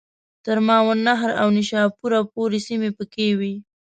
تر ماوراءالنهر او نیشاپور پوري سیمي پکښي وې.